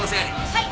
はい！